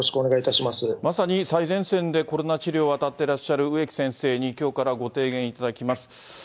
まさに最前線でコロナ治療に当たってらっしゃる植木先生に、きょうからご提言いただきます。